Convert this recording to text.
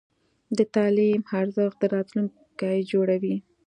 د تعلیم ارزښت د راتلونکي جوړوي.